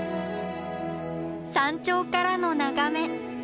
山頂からの眺め。